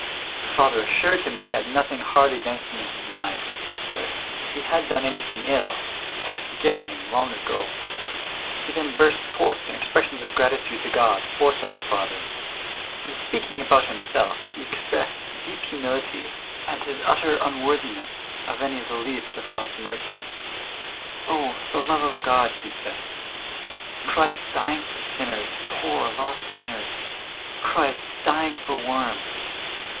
The father assured him he had nothing hard against him in his mind, but if he had done anything ill, he had forgiven him long ago. He then burst forth in expressions of gratitude to God for such a father. In speaking about himself he expressed deep humility, and his utter unworthiness of any of the least of God's mercies. "Oh, the love of God," he said, "Christ dying for sinners, poor lost sinners, Christ dying for worms!